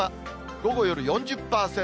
午後、夜４０％。